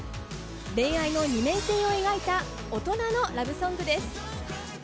恋愛の二面性を描いた、大人のラブソングです。